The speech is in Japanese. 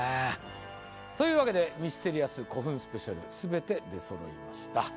というわけで「ミステリアス古墳スペシャル」全て出そろいました。